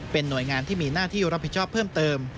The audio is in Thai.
เป็นหน่วยงานที่มีหน้าที่รับผิดชอบเพิ่มเติม